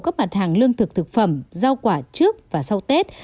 các mặt hàng lương thực thực phẩm rau quả trước và sau tết